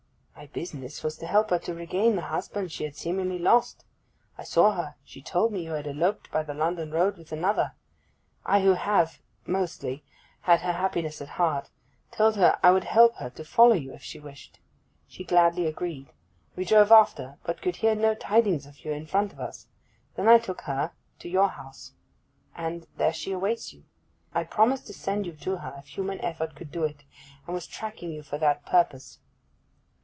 'My business was to help her to regain the husband she had seemingly lost. I saw her; she told me you had eloped by the London road with another. I, who have—mostly—had her happiness at heart, told her I would help her to follow you if she wished. She gladly agreed; we drove after, but could hear no tidings of you in front of us. Then I took her—to your house—and there she awaits you. I promised to send you to her if human effort could do it, and was tracking you for that purpose.